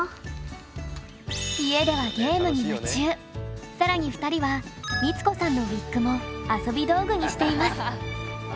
家ではさらに２人は光子さんのウィッグも遊び道具にしています。